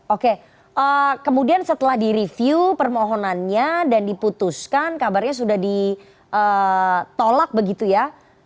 oke kemudian setelah direview permohonannya dan diputuskan kabarnya sudah ditolak begitu ya